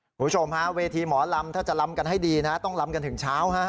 คุณผู้ชมฮะเวทีหมอลำถ้าจะลำกันให้ดีนะต้องลำกันถึงเช้าฮะ